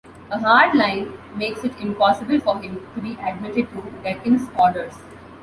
A hard line makes it impossible for him to be admitted to Deacon's Orders.